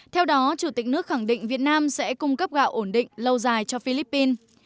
theo đó chủ tịch nước khẳng định việt nam sẽ cung cấp gạo ổn định lâu dài cho philippines